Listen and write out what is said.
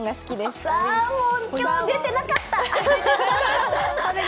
今日出てなかった！